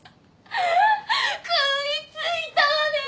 食い付いたわね！